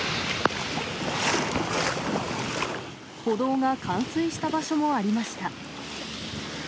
歩道が冠水した場所もありました。